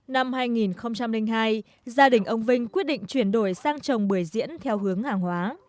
năm hai nghìn hai gia đình ông vinh quyết định chuyển đổi sang trồng bưởi diễn theo hướng hàng hóa